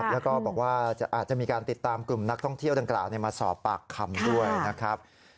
แล้วก็บอกว่าอาจจะมีการติดตามกลุ่มนักท่องเที่ยวดังกล่าวมาสอบปากคำด้วยนะครับ